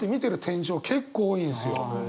天井結構多いんですよ。